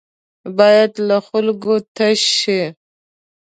بايد له خلکو تش شي.